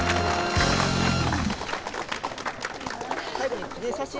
最後に記念写真。